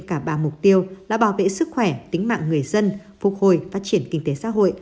cả ba mục tiêu là bảo vệ sức khỏe tính mạng người dân phục hồi phát triển kinh tế xã hội